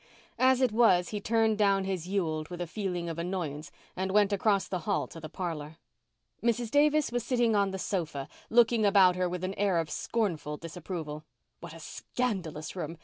As it was, he turned down his Ewald with a feeling of annoyance and went across the hall to the parlour. Mrs. Davis was sitting on the sofa, looking about her with an air of scornful disapproval. What a scandalous room!